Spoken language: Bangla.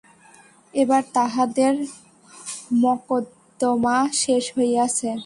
এবার তাঁহাদের মকদ্দমা শেষ হইয়াছে।